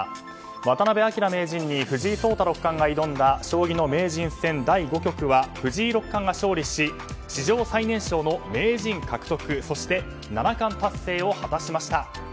渡辺明名人に藤井聡太六冠が挑んだ将棋の名人戦第５局は藤井六冠が勝利し、史上最年少の名人獲得、そして七冠達成を果たしました。